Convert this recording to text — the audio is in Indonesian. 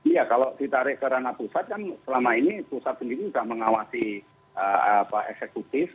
ya kalau ditarik ke ranah pusat kan selama ini pusat sendiri sudah mengawasi eksekutif